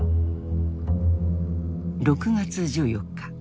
６月１４日。